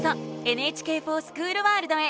「ＮＨＫｆｏｒＳｃｈｏｏｌワールド」へ。